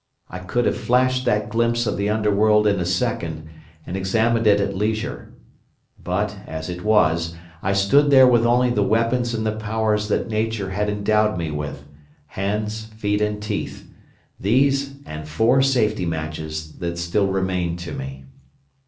I could have flashed that glimpse of the Underworld in a second, and examined it at leisure. But, as it was, I stood there with only the weapons and the powers that Nature had endowed me with—hands, feet, and teeth; these, and four safety matches that still remained to me.